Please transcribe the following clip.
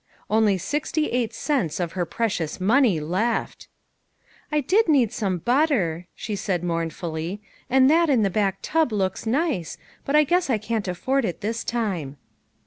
Only sixty eight cents of her precious money left! " I did need some butter," she said mourn fully, " and that in the tub looks nice, but I guess I can't afford it this time."